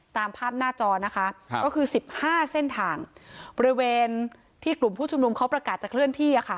ตามภาพหน้าจอนะคะก็คือสิบห้าเส้นทางบริเวณที่กลุ่มผู้ชุมนุมเขาประกาศจะเคลื่อนที่